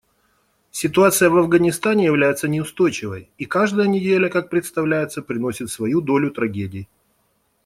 Ситуация в Афганистане является неустойчивой, и каждая неделя, как представляется, приносит свою долю трагедий.